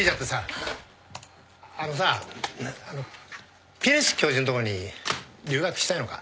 あのさピレス教授のとこに留学したいのか？